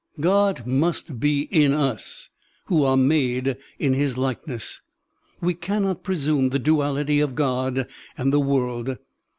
God must be in us, who are made in his likeness. We cannot presume the duality of God and the world.